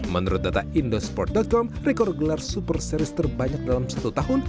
menurut data indosport com rekor gelar super series terbanyak dalam satu tahun